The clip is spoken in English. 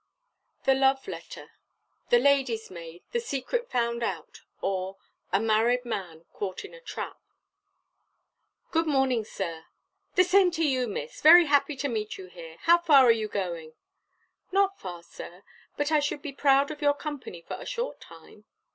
THE LOVE LETTER, The Lady's Maid!! The Secret Found out!!! Or A MARRIED MAN CAUGHT IN A TRAP. "Good morning, Sir." "The same to you, Miss! Very happy to meet you here; how far are you going?" "Not far, Sir; but I should be proud of your company for a short time."